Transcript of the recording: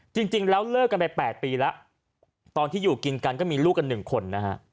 จริงแล้วเลิกกันไป๘ปีแล้วตอนที่อยู่กินกันก็มีลูกกัน๑คนนะฮะ